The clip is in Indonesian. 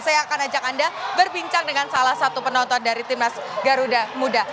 saya akan ajak anda berbincang dengan salah satu penonton dari timnas garuda muda